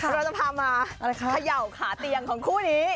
เราจะพามาเขย่าขาเตียงของคู่นี้